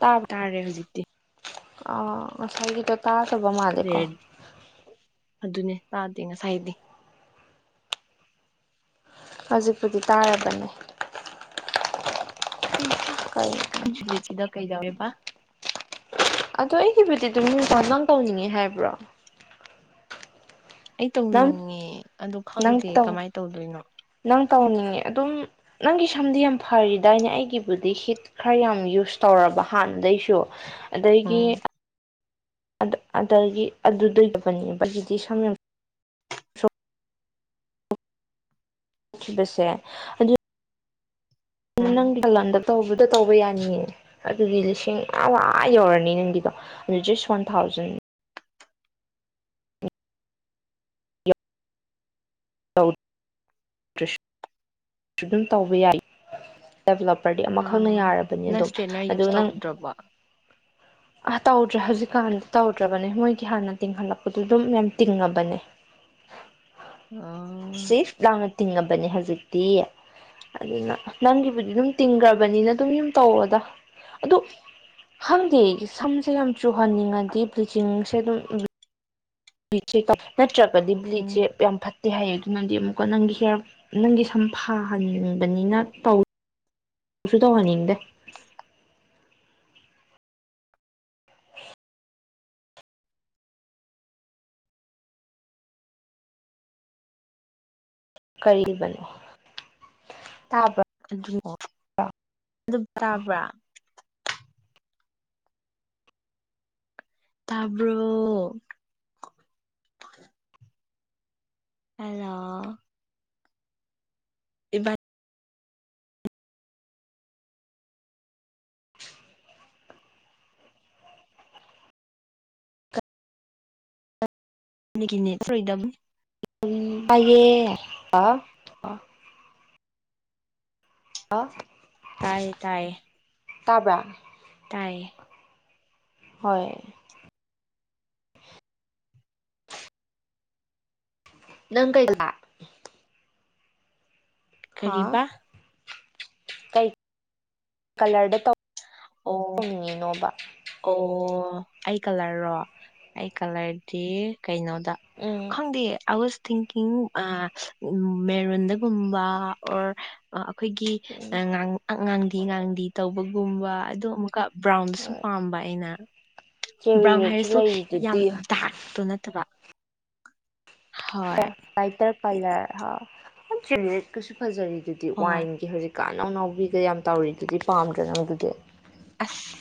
ꯇꯥ ꯇꯥꯔꯦ ꯍꯧꯖꯤꯛꯇꯤ ꯉꯁꯥꯏꯒꯤꯗꫭ ꯇꯥꯗꯕ ꯃꯥꯜ [unintelligible] ꯑꯗꯨꯅꯦ ꯇꯥꯗꯦ ꯉꯁꯥꯏꯗꯤ ꯍꯧꯖꯤꯛꯄꯨꯗꯤ ꯇꯥꯔꯕꯅꯦ ꯍꯩꯍꯥ [unintelligible] [unintelligible] ꯀꯩꯗꯋꯦꯕ ꯑꯗꯣ ꯑꯩꯒꯤꯕꯨꯗꯤ ꯑꯗꯨꯝ [unintelligible] ꯅꯪ ꯇꯧꯅꯤꯡꯉꯦ ꯍꯥꯏꯕ꯭ꯔꯣ ꯑꯩ ꯅꯪ ꯇꯧꯅꯤꯡꯉꯦ ꯑꯗꯣ ꯅꯪ ꯈꯪꯗꯦ ꯇꯧ ꯀꯃꯥꯏꯅ ꯇꯧꯗꯣꯏꯅꯣ ꯅꯪ ꯇꯧꯅꯤꯡꯉꯦ ꯑꯗꯨꯝ ꯅꯪꯒꯤ ꯁꯝꯗꯤ ꯌꯥꯝ ꯐꯔꯤꯗꯥꯏꯅꯦ ꯑꯩꯒꯤꯕꯨꯗꯤ ꯍꯤꯠ ꯈꯔ ꯌꯥꯝ ꯌꯨꯁ ꯇꯧꯔꯕ ꯍꯥꯟꯅꯗꯩꯁꯨ ꯎꯝ ꯑꯗꯒꯤ [unintelligible] ꯑꯩꯒꯤꯗꯤ ꯁꯝ ꯌꯥꯝ [unintelligible] ꯎꯝ ꯇꯧꯕꯗ ꯇꯧꯕ ꯌꯥꯅꯤꯌꯦ ꯑꯗꯨꯗꯤ ꯂꯤꯁꯤꯡ ꯑꯥ ꯌꯧꯔꯅꯤ ꯅꯪꯒꯤꯗꯣ [unintelligible] ꯋꯥꯟ ꯊꯥꯎꯖꯟ [unintelligible] ꯨ ꯑꯗꯨꯝ ꯇꯧꯕ ꯌꯥꯏ ꯗꯦꯕꯂꯣꯞꯄꯔꯗꯤ ꯑꯃꯈꯛꯅ ꯑꯥ ꯌꯥꯔꯕꯅꯤ ꯅꯪ ꯑꯗꯨꯝ ꯏꯁꯇ꯭ꯔꯦꯠꯅꯔ ꯑꯗꯨ ꯌꯨꯁ ꯅꯪ ꯇꯧꯗ꯭ꯔꯕꯣ ꯑ ꯇꯧꯗ꯭ꯔꯦ ꯍꯧꯖꯤꯛꯀꯥꯟꯗꯤ ꯇꯧꯗ꯭ꯔꯕꯅꯦ ꯃꯣꯏꯒꯤ ꯍꯥꯟꯅ ꯇꯤꯡꯍꯜꯂꯛꯄꯗꯨ ꯑꯗꯨꯝ ꯌꯥꯝ ꯇꯤꯡꯉꯕꯅꯦ [unintelligible] ꯑ ꯂꯥꯡꯅ ꯇꯤꯡꯉꯕꯅꯦ ꯍꯧꯖꯤꯛꯇꯤ ꯑꯗꯨꯅ ꯅꯪꯒꯤꯕꯨꯗꯤ ꯑꯗꯨꯝ ꯇꯤꯡꯈ꯭ꯔꯕꯅꯤꯅ ꯑꯗꯨꯝ ꯌꯨꯝ ꯇꯧꯗ ꯑꯗꯨ ꯈꯪꯗꯦ ꯁꯝꯁꯦ ꯌꯥꯝ ꯆꯨꯍꯟꯅꯤꯡꯉꯗꯤ ꯕꯂꯤꯆꯤꯡꯁꯦ ꯑꯗꯨꯝ ꯅꯠꯇ꯭ꯔꯒꯗꯤ ꯎꯝ ꯕꯂꯤꯠꯁꯦ ꯌꯥꯝ ꯐ ꯇꯦ ꯍꯥꯏꯌꯦ ꯑꯗꯨꯅꯗꯤ ꯑꯃꯨꯛꯀ ꯅꯪꯒꯤ ꯍꯦꯔ ꯅꯪꯒꯤ ꯁꯨꯝ ꯐꯍꯟꯕꯅꯤꯅ ꯇꯧꯋ ꯀꯨꯁꯨ ꯇꯧꯍꯟꯅꯤꯡꯗꯦ ꯀꯔꯤꯕꯅꯣ ꯇꯥꯕ꯭ꯔ ꯑꯗꯨ ꯑꯗꯨ ꯇꯥꯕ꯭ꯔꯥ ꯇꯥꯕ꯭ꯔꯣ ꯑꯂ ꯏꯕꯥ ꯅꯒꯤꯅꯦꯠ ꯐꯔꯤꯗꯝ ꯑꯗꯨꯕꯥꯥꯏꯌꯦꯄ ꯑ ꯇꯥꯏꯌꯦ ꯇꯥꯏꯌꯦ ꯇꯥꯕ꯭ꯔ ꯇꯥꯏꯌꯦ ꯍꯣꯏ ꯅꯪ ꯀꯩꯗ ꯍꯥꯥ ꯀꯔꯤꯕ ꯀꯩ ꯀꯂꯔꯗ ꯇꯧ ꯑꯣ ꯇꯧꯅꯤꯡꯉꯤꯅꯣꯕ ꯑꯣ ꯑꯩ ꯀꯂ꯭ꯔꯔꯣ ꯑꯩ ꯀꯂ꯭ꯔꯗꯤ ꯀꯩꯅꯣꯗ ꯎꯝ ꯈꯪꯗꯦ ꯑ ꯋꯤꯁ ꯊꯤꯡꯀꯤꯡ ꯑ ꯃꯦꯔꯨꯟꯗꯒꯨꯝꯕ ꯑꯣꯔ ꯑꯈꯣꯏꯒꯤ ꯎꯝ ꯑ ꯉꯥꯡ ꯉꯥꯡꯂꯤ-ꯉꯥꯡꯂꯤ ꯇꯧꯕꯒꯨꯝꯕ ꯑꯗꯣ ꯑꯃꯨꯛꯀ ꯕ꯭ꯔꯥꯎꯟꯗꯁꯨ ꯍꯣꯏ ꯄꯥꯝꯕ ꯑꯩꯅ ꯆꯦꯔꯤ ꯕ꯭ꯔꯥꯎꯟ ꯔꯦꯠꯁꯨ ꯍꯥꯏꯔꯁꯨ ꯌꯥꯝ ꯂꯩꯔꯤꯗꯨꯗꯤ ꯗꯔꯛ ꯇꯨꯅꯠꯕ ꯕꯥꯏꯇꯔ ꯄꯂꯔ [unintelligible] ꯐꯖꯔꯤꯗꯨꯗꯤ ꯍꯣꯏ ꯋꯥꯏꯟꯒꯤ ꯍꯧꯖꯤꯛ ꯀꯥꯅꯧꯅꯧꯕꯤꯗ ꯌꯥꯝ ꯇꯧꯔꯤꯗꯨꯗꯤ ꯄꯥꯝꯗ꯭ꯔꯦ ꯅꯪ ꯑꯗꯨꯗꯤ ꯑꯁ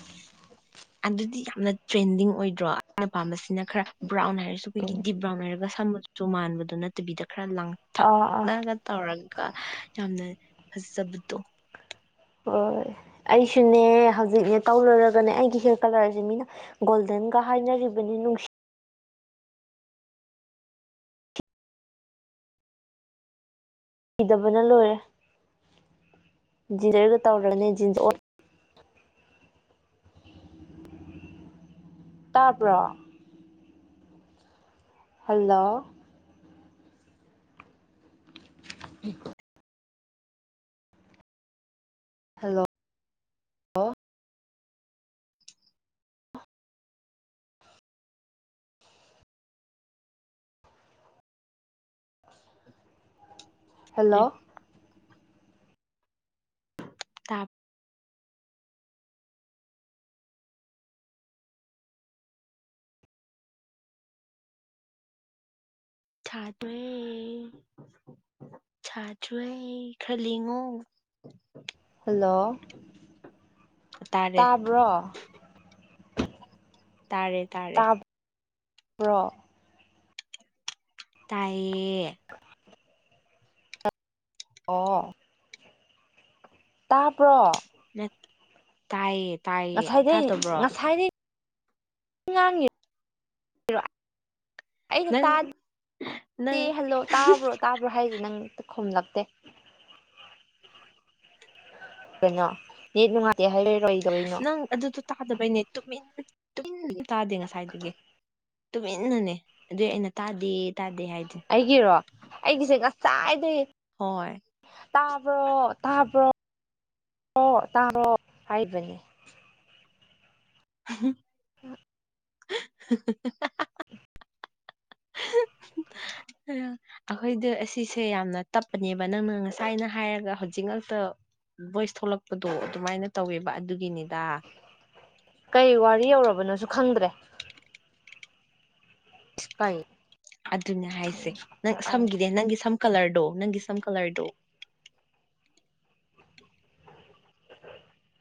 ꯑꯗꯨꯗꯤ ꯌꯥꯝꯅ ꯇ꯭ꯔꯦꯟꯗꯤꯡ ꯑꯣꯏꯗ꯭ꯔꯣ ꯑꯩꯅ ꯄꯥꯝꯕꯁꯤꯅ ꯈꯔ ꯕ꯭ꯔꯥꯎꯟ ꯍꯥꯏꯔꯁꯨ ꯑꯩꯈꯣꯏꯒꯤ ꯎꯝ ꯗꯤꯞ ꯕ꯭ꯔꯥꯎꯟ ꯍꯥꯏꯔꯒ ꯁꯝꯃꯆꯨ ꯃꯥꯟꯕꯗꯨ ꯅꯠꯇꯕꯤꯗ ꯈꯔ ꯑꯥ ꯑꯥ ꯂꯥꯡꯊꯛꯅꯒ ꯇꯧꯔꯒ ꯌꯥꯝꯅ ꯐꯖꯕꯗꯣ ꯍꯣꯏ ꯑꯩꯁꯨꯅꯦ ꯍꯧꯖꯤꯛꯅꯦ ꯇꯧꯔꯨꯔꯒꯅꯦ ꯑꯩꯒꯤ ꯍꯤꯌꯔ ꯀꯂꯔꯁꯦ ꯃꯤꯅ ꯒꯣꯜꯗꯟ ꯀ ꯍꯥꯏꯅꯔꯤꯕꯅꯤ ꯅꯨꯡꯁꯤ ꯁꯤꯗꯕꯅ ꯂꯣꯏꯔꯦ ꯖꯤꯟꯗꯔꯒ ꯇꯧꯔꯅꯤ ꯖꯤꯟꯁ ꯑꯣꯟ ꯇꯥꯕ꯭ꯔꯣ ꯍꯜꯂꯣ ꯍꯝ ꯍꯜꯂꯣ ꯍꯂꯣ ꯍꯜꯂꯣ ꯑꯩ ꯇꯥꯞ ꯊ ꯗ꯭ꯌꯦ ꯊ ꯗ꯭ꯌꯦ ꯈꯔ ꯂꯦꯡꯉꯣ ꯍꯜꯂꯣ ꯇꯥꯔꯦ ꯇꯥꯕ꯭ꯔꯣ ꯇꯥꯔꯦ ꯇꯥꯔꯦ ꯇꯥ ꯕ꯭ꯔꯣ ꯇꯥꯏꯌꯦ ꯑꯣ ꯇꯥꯕ꯭ꯔꯣ ꯅꯠ ꯇꯥꯏꯌꯦ- ꯄꯥꯏꯌꯦ ꯉꯁꯥꯏꯗꯩ ꯇꯗꯕ꯭ꯔꯣ ꯉꯥꯡꯉꯤꯝ [unintelligible] ꯑꯩꯗ ꯅꯪ ꯇꯗꯦ ꯅꯪ ꯍꯜꯂꯣ ꯇꯥꯕ꯭ꯔꯣ ꯇꯥꯕ꯭ꯔꯣ ꯍꯥꯏꯁꯦ ꯅꯪ ꯈꯨꯝꯂꯛꯇꯦ ꯀꯩꯅꯣ ꯅꯦꯠ ꯅꯨꯡꯉꯥꯏꯇꯦ ꯍꯥꯏꯕꯩꯔꯣ ꯀꯩꯗꯣꯏꯅꯣ ꯅꯪ ꯑꯗꯨꯗꯣ ꯇꯥꯗꯕꯩꯅꯦ ꯇꯨꯃꯤꯟ- ꯇꯨꯃꯤꯟ ꯂꯩꯌꯦ ꯇꯥꯗꯦ ꯉꯁꯥꯏꯗꯒꯤ ꯇꯨꯃꯤꯟꯅꯅꯦ ꯑꯗꯨꯏ ꯑꯩꯅ ꯇꯥꯗꯦ- ꯇꯥꯗꯦ ꯍꯥꯏꯗꯣ ꯑꯩꯒꯤꯔꯣ ꯑꯩꯒꯤꯁꯦ ꯉꯁꯥꯏꯗꯒꯤꯩ ꯍꯣꯏ ꯇꯥꯕ꯭ꯔꯣ ꯇꯥꯕ꯭ꯔꯣ ꯕ꯭ꯔꯣ ꯇꯥꯕ꯭ꯔꯣ ꯍꯥꯏꯔꯤꯕꯅꯤ ꯍꯝ [unintelligible] ꯍꯥ ꯍꯥ ꯍꯥ [inaudible] ꯑ ꯔ ꯑꯈꯣꯏꯗꯨ ꯑꯁꯤꯁꯦ ꯌꯥꯝꯅ ꯇꯞꯄꯅꯦꯕ ꯅꯪꯅ ꯉꯁꯥꯏꯅ ꯍꯥꯏꯔꯒ ꯍꯧꯖꯤꯛ ꯉꯛꯇ ꯚꯣꯏꯁ ꯊꯣꯛꯂꯛꯄꯗꯣ ꯑꯗꯨꯃꯥꯏꯅ ꯇꯧꯋꯦꯕ ꯑꯗꯨꯒꯤꯅꯤꯗ ꯀꯩ ꯋꯥꯔꯤ ꯌꯧꯔꯕꯅꯣꯁꯨ ꯈꯪꯗ꯭ꯔꯦ ꯁꯤꯄꯥꯏ ꯑꯗꯨꯅꯦ ꯍꯥꯏꯁꯦ ꯅꯪ ꯁꯝꯒꯤꯗꯤ ꯅꯪꯒꯤ ꯁꯝ ꯀꯂꯔꯗꯣ ꯅꯪꯒꯤ ꯁꯝ ꯀꯂꯔꯗꯣ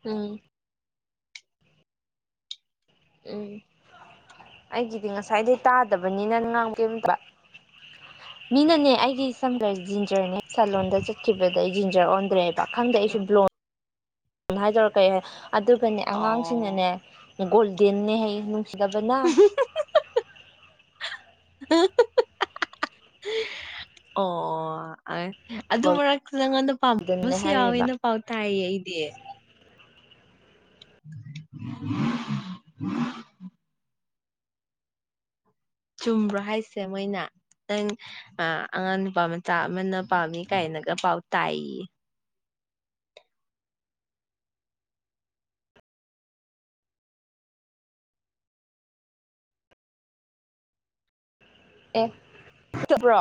ꯎꯝ ꯎꯝ ꯑꯩꯒꯤꯗꯤ ꯉꯁꯥꯏꯗꯩ ꯇꯥꯗꯕꯅꯤꯅ ꯀꯩꯝꯇ ꯎ ꯃꯤꯅꯅꯦ ꯑꯩꯒꯤ ꯁꯝꯒꯔꯦ ꯖꯤꯟꯖꯔꯅꯦ ꯁꯂꯂꯣꯟꯗ ꯆꯠꯈꯤꯕꯗ ꯑꯩ ꯖꯤꯟꯖꯔ ꯑꯣꯟꯗ꯭ꯔꯦꯕ ꯈꯪꯗꯦ ꯑꯩꯁꯨ ꯕ꯭ꯂꯣꯟ ꯍꯥꯏꯗꯧꯔꯛ ꯀ ꯑꯗꯨꯒꯅꯦ ꯑꯉꯥꯡꯁꯤꯡꯅꯅꯦ ꯑꯣ ꯒꯣꯜꯗꯦꯟꯅ ꯍꯥꯏ ꯅꯨꯡꯁꯤꯗꯕꯅ ꯑꯣ ꯑꯗꯨ ꯃꯔꯛꯇ ꯅꯉꯣꯟꯗ ꯒꯣꯜꯗꯟꯅꯦ ꯄꯥꯝꯕꯝꯕꯁꯨ ꯍꯥꯏꯔꯤꯕ ꯌꯥꯎꯋꯦꯅ ꯄꯥꯎ ꯇꯥꯏꯌꯦ ꯑꯩꯗꯤ [unintelligible] ꯆꯨꯝꯕ꯭ꯔꯣ ꯍꯥꯏꯁꯦ ꯃꯣꯏꯅ ꯅꯪ ꯑ ꯑꯉꯥꯡ ꯅꯨꯄꯥ ꯃꯆꯥ ꯑꯃꯅ ꯄꯥꯝꯃꯤ ꯀꯥꯏꯅꯒ ꯄꯥꯎ ꯇꯥꯏꯌꯦ ꯑꯦ ꯆꯠꯇꯕ꯭ꯔꯣ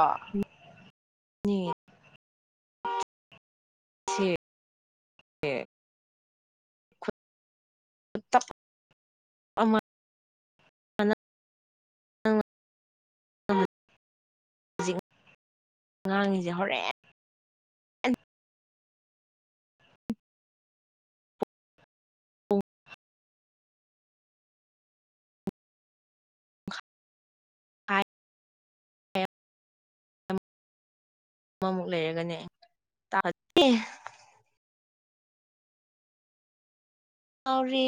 [unintelligible] [unintelligible] [inaudible] ꯉꯥꯡꯉꯤꯁꯦ ꯍꯣꯔꯦꯟ [unintelligible] [unintelligible] ꯑꯃꯃꯨꯛ ꯂꯩꯔꯒꯅꯦ ꯇꯥ ꯑꯥꯎꯔꯤ